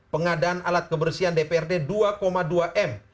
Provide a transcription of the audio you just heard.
pengadaan alat kebersihan dprd dua dua m